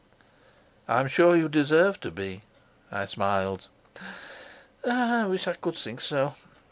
"I am sure you deserve to be," I smiled. "I wish I could think so.